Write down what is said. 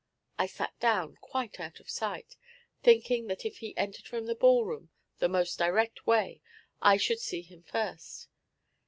I sat down, quite out of sight, thinking that if he entered from the ball room the most direct way I should see him first.